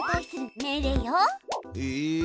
へえ。